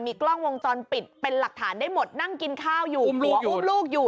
กล้องวงจรปิดเป็นหลักฐานได้หมดนั่งกินข้าวอยู่กลัวอุ้มลูกอยู่